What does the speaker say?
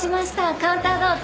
カウンターどうぞ。